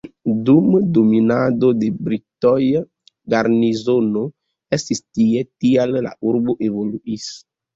Dum dominado de britoj garnizono estis tie, tial la urbo evoluis.